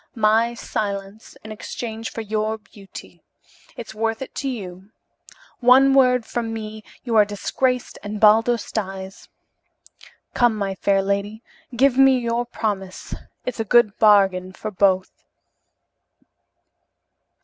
My silence in exchange for your beauty. It's worth it to you. One word from me, you are disgraced and Baldos dies. Come, my fair lady, give me your promise, it's a good bargain for both."